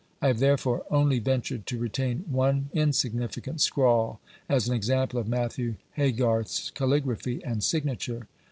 I have therefore only ventured to retain one insignificant scrawl as an example of Matthew Haygarth's caligraphy and signature.